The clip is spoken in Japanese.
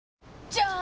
じゃーん！